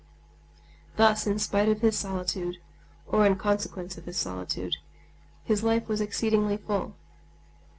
Thus, in spite of his solitude, or in consequence of his solitude, his life was exceedingly full.